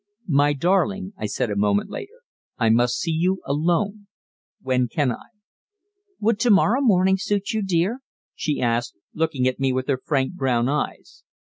"My darling," I said a moment later, "I must see you alone. When can I?" "Would to morrow morning suit you, dear?" she asked, looking at me with her frank brown eyes.